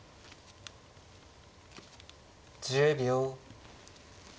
１０秒。